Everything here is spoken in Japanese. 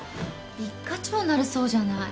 一課長になるそうじゃない。